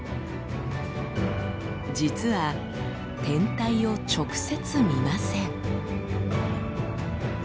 実は天体を直接見ません。